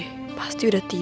tidak aku mau nyantai